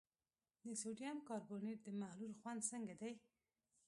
د سوډیم کاربونیټ د محلول خوند څنګه دی؟